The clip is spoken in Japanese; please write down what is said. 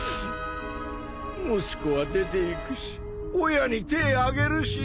息子は出ていくし親に手ぇ上げるしよぉ。